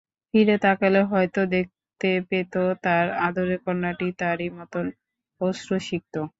ফিরে তাকালে হয়তো দেখতে পেত তাঁর আদরের কন্যাটি তারই মতন অশ্রুসিক্ত।